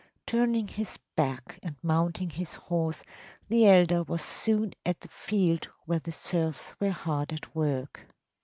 ‚ÄĚ Turning his back and mounting his horse, the elder was soon at the field where the serfs were hard at work.